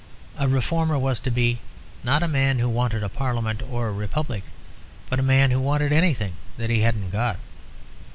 A reformer was to be, not a man who wanted a parliament or a republic, but a man who wanted anything that he hadn't got.